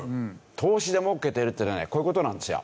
投資で儲けているっていうのはねこういう事なんですよ。